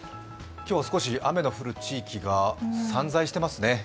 今日は少し雨の降る地域が散在していますね。